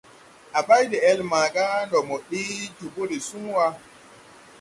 A bay de-ɛl maaga ndɔ mo ɗee jobo de suŋ wà.